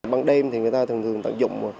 bằng đêm thì người ta thường thường tận dụng